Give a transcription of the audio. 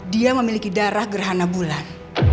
dia memiliki darah gerhana bulan